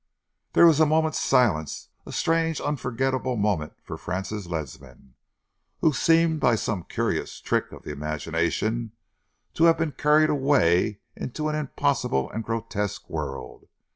There was a moment's silence a strange, unforgettable moment for Francis Ledsam, who seemed by some curious trick of the imagination to have been carried away into an impossible and grotesque world.